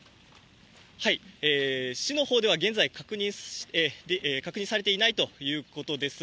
市のほうでは現在、確認されていないということです。